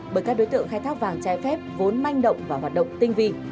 bởi các đối tượng khai thác vàng trái phép vốn manh động và hoạt động tinh vi